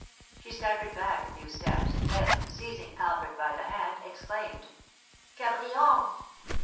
She staggered back a few steps, then, seizing Alfred by the hand, exclaimed: "Cabrion!"